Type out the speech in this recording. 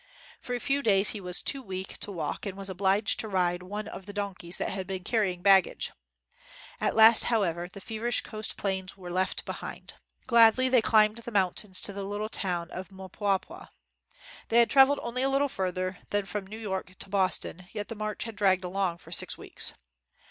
For a few days he was too weak to walk and was obliged to ride one of the don keys that had been carrying baggage. At last, however, the feverish coast plains were left behind. Gladly they climbed the moun tains to the little town of Mpwapwa. They had traveled only a little farther than from New York to Boston; yet the march had dragged along for six weeks.